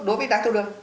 đối với đáy thu lương